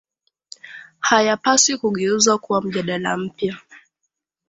haya paswi kugeuzwa kuwa mjadala mpya